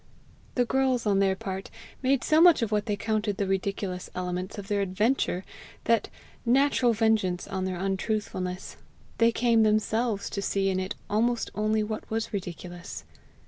The girls on their part made so much of what they counted the ridiculous elements of their "adventure," that, natural vengeance on their untruthfulness, they came themselves to see in it almost only what was ridiculous.